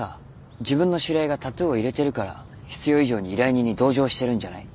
自分の知り合いがタトゥーを入れてるから必要以上に依頼人に同情してるんじゃない？